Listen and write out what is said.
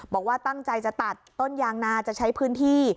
บอกว่าตั้งใจจะตัดต้นยางนาจะใช้พื้นที่